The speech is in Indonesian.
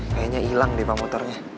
kayaknya ilang deh pak motornya